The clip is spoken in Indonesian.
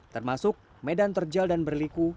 termasuk medan terjal dan berliku